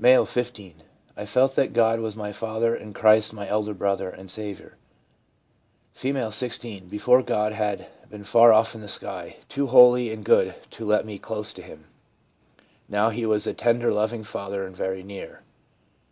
M., 15. 'I felt that God was my Father, and Christ my Elder Brother and Saviour/ F.) 16. ' Before, God had been far off in the sky, too holy and good to let me get close to Him. Now He was a tender, loving Father, and very near.